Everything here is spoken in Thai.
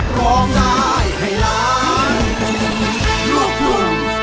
พร้อมได้ให้ร้าน